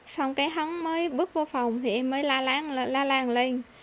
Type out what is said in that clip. xong cái hắn mới bước vô phòng thì em mới la làng lên